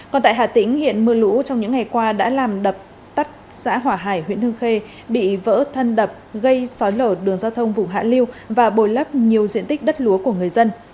còn tại hà tĩnh hiện mưa lũ trong những ngày qua đã làm đập tắt xã hỏa hải huyện hương khê bị vỡ thân đập gây sói lở đường giao thông vùng hạ liêu và bồi lấp nhiều diện tích đất lúa của người dân